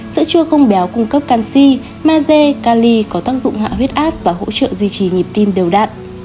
sữa chua không béo cung cấp canxi maze cali có tác dụng hạ huyết áp và hỗ trợ duy trì nhịp tim đều đạn